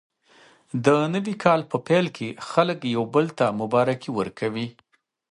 د نوي کال په پیل کې خلک یو بل ته مبارکي ورکوي.